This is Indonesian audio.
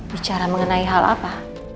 bicara mengenai hal apa